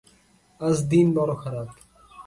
আজ দিন বড়ো খারাপ।